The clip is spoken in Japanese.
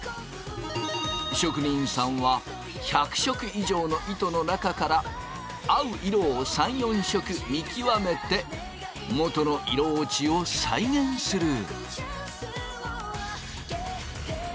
職人さんは１００色以上の糸の中から合う色を３４色見極めてもとの色落ちを再現する。